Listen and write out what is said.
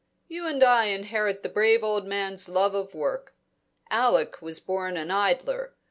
You and I inherit the brave old man's love of work; Alec was born an idler.